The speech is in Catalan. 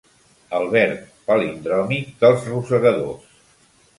El verb palindròmic dels rosegadors.